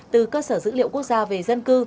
từ cơ sở dữ liệu quốc gia về dân cư